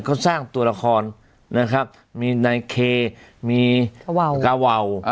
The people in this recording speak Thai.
เขาสร้างตัวละครนะครับมีนายเคมีกาวาว